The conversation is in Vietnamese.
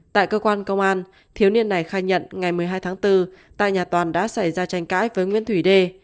tại cơ quan công an thiếu niên này khai nhận ngày một mươi hai tháng bốn tại nhà toàn đã xảy ra tranh cãi với nguyễn thủy đê